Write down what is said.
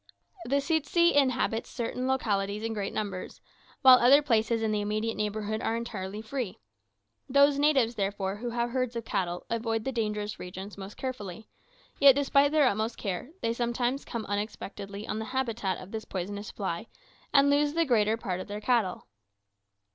The tsetse inhabits certain localities in great numbers, while other places in the immediate neighbourhood are entirely free. Those natives, therefore, who have herds of cattle avoid the dangerous regions most carefully; yet, despite their utmost care, they sometimes come unexpectedly on the habitat of this poisonous fly, and lose the greater part of their cattle.